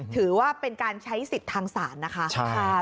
ถือว่าเป็นการใช้สิทธิ์ทางศาลนะคะ